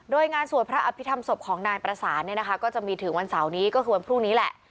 โดยงานสวดพระอภิษฐรรมศพของนายประสานเนี่ยนะคะก็จะมีถึงวันเสาร์นี้ก็คือวันพรุ่งนี้แหละ